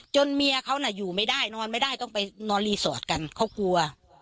เมียเขาน่ะอยู่ไม่ได้นอนไม่ได้ต้องไปนอนรีสอร์ทกันเขากลัว